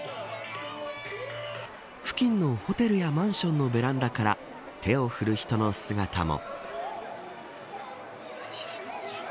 付近のホテルやマンションのベランダから手を振る人の姿も。